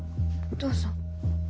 どうぞ。